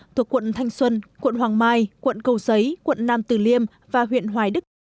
thuộc quận thanh xuân quận hoàng mai quận cầu giấy quận nam tử liêm và huyện hoài đức